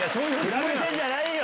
比べてるんじゃないよ！